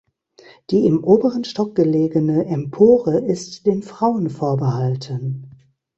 Die im oberen Stock gelegene Empore ist den Frauen vorbehalten.